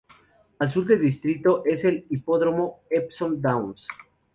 Al sur del distrito es el hipódromo "Epsom Downs".